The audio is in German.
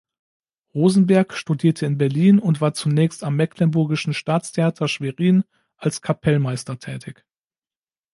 Rosenberg studierte in Berlin und war zunächst am Mecklenburgischen Staatstheater Schwerin als Kapellmeister tätig.